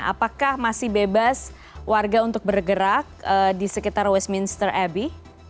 apakah masih bebas warga untuk bergerak di sekitar westminster abbey